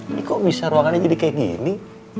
ini kok bisa ruangannya jadi kayak gini